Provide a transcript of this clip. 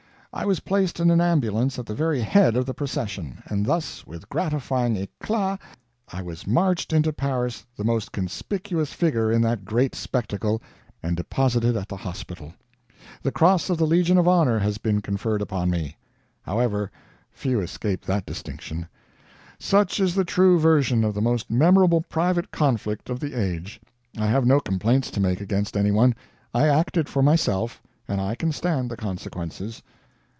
I was placed in an ambulance at the very head of the procession; and thus with gratifying 'ECLAT I was marched into Paris, the most conspicuous figure in that great spectacle, and deposited at the hospital. The cross of the Legion of Honor has been conferred upon me. However, few escape that distinction. Such is the true version of the most memorable private conflict of the age. I have no complaints to make against any one. I acted for myself, and I can stand the consequences.